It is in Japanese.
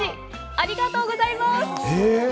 ありがとうございます。